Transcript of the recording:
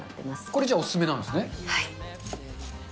これ、じゃあ、お勧めなんではい。